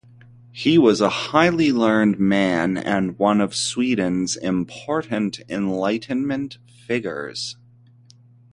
He was a highly learned man and one of Sweden's important Enlightenment figures.